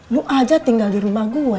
lu aja tinggal di rumah gue